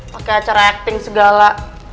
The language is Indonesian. pake acara acting segala